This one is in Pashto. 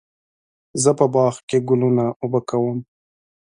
زه په باغ کې ګلونه اوبه کوم.